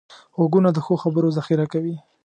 غوږونه د ښو خبرو ذخیره کوي